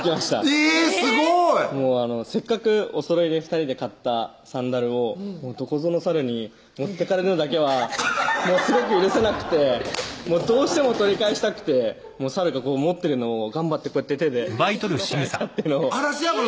えぇすごいせっかくおそろいで２人で買ったサンダルをどこぞの猿に持ってかれるのだけはすごく許せなくてどうしても取り返したくて猿が持ってるのを頑張ってこうやって手でうわっすご！